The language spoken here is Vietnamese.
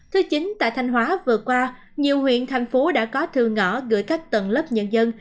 thứ chín tại thanh hóa vừa qua nhiều huyện thành phố đã có thư ngõ gửi các tầng lớp nhân dân